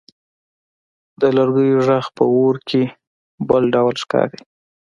د لرګیو ږغ په اور کې بل ډول ښکاري.